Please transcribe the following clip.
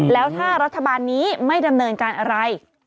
แล้วถ้ารัฐบาลนี้ไม่ดำเนินการอะไร